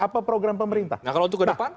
apa program pemerintah nah kalau itu ke depan